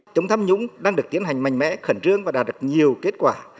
chống tham nhũng đang được tiến hành mạnh mẽ khẩn trương và đạt được nhiều kết quả